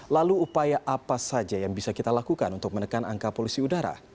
lalu upaya apa saja yang bisa kita lakukan untuk menekan angka polusi udara